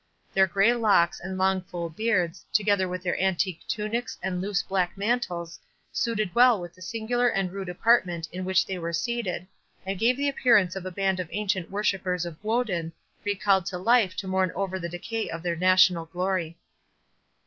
Their grey locks and long full beards, together with their antique tunics and loose black mantles, suited well with the singular and rude apartment in which they were seated, and gave the appearance of a band of ancient worshippers of Woden, recalled to life to mourn over the decay of their national glory.